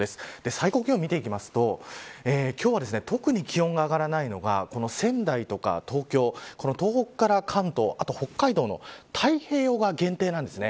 最高気温を見ていくと今日は特に気温が上がらないのが仙台とか東京東北から関東、後は北海道の太平洋側限定なんです。